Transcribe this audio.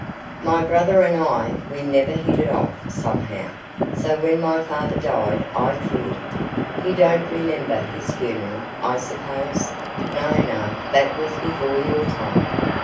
"My brother and I, we never hit it off, somehow. So when my father died I cleared. You don't remember his funeral, I suppose? No, no that was before your time.